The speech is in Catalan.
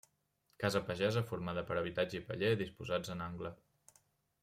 Casa pagesa formada per habitatge i paller, disposats en angle.